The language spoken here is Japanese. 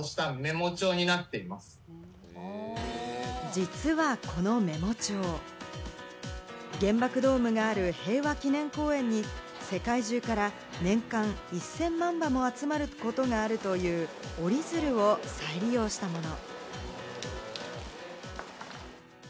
実はこのメモ帳、原爆ドームがある平和記念公園に世界中から年間１０００万羽も集まることがあるという折り鶴を再利用したもの。